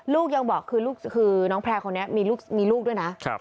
ลูกยังบอกคือน้องแพร่คนนี้มีลูกด้วยนะ